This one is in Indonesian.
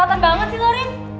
jangan mentang mentang lo rim